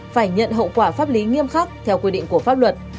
phải nhận hậu quả pháp lý nghiêm khắc theo quy định của pháp luật